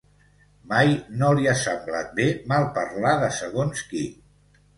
Mai no li ha semblat bé, malparlar de segons qui.